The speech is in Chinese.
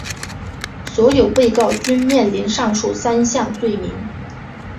所有被告均面临上述三项罪名。